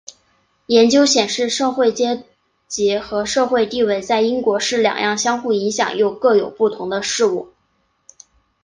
研究显示社会阶级和社会地位在英国是两样相互影响又各有不同的事物。